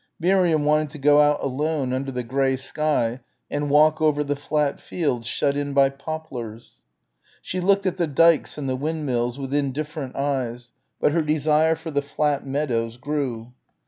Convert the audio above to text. Miriam wanted to go out alone under the grey sky and walk over the flat fields shut in by poplars. She looked at the dykes and the windmills with indifferent eyes, but her desire for the flat meadows grew.